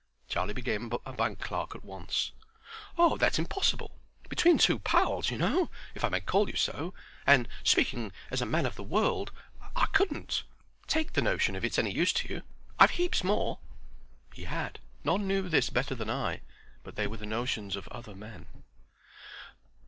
Charlie became a bank clerk at once. "Oh, that's impossible. Between two pals, you know, if I may call you so, and speaking as a man of the world, I couldn't. Take the notion if it's any use to you. I've heaps more." He had—none knew this better than I—but they were the notions of other men.